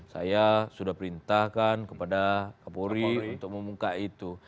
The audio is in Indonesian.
saya sudah perintahkan kepada kapolri untuk membuka itu